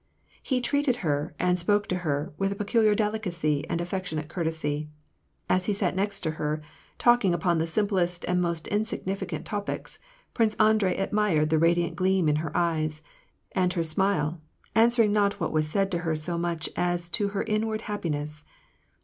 He treated her, and spoke to her, with a peculiar delicacy and affectionate courtesy. As he sat next to her, talking upon the simplest and most insignificant topics, Prince Andrei admired the radiant gleam in her eyes, and her smile, answer ing not what was said to her so much as to her inward happi ness.